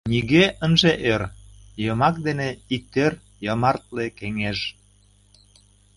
Нигӧ ынже ӧр: йомак дене иктӧр Йомартле кеҥеж.